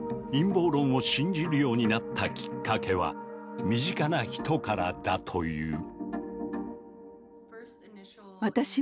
陰謀論を信じるようになったきっかけは身近な人からだという。